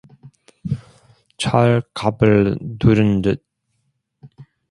철갑을 두른 듯